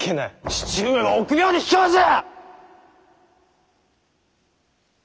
父上は臆病で卑怯じゃ！